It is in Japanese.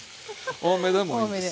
多めでもいいです。